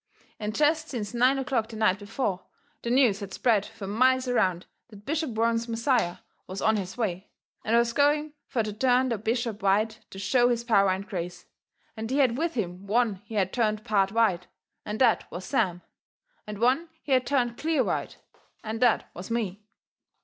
And jest since nine o'clock the night before, the news had spread fur miles around that Bishop Warren's Messiah was on his way, and was going fur to turn the bishop white to show his power and grace, and he had with him one he had turned part white, and that was Sam, and one he had turned clear white, and that was me.